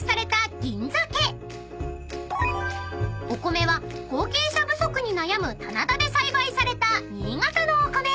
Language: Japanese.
［お米は後継者不足に悩む棚田で栽培された新潟のお米］